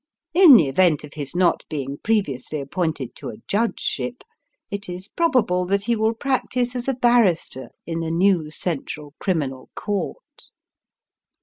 In the event of his not being previously appointed to a judgeship, it is probable that he will practise as a barrister in the New Central Criminal Court.